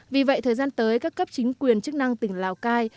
vì vậy thời gian tới các cấp chính quyền chức năng tỉnh lào cai